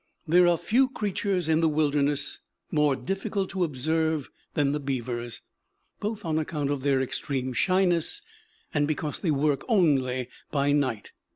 There are few creatures in the wilderness more difficult to observe than the beavers, both on account of their extreme shyness and because they work only by night.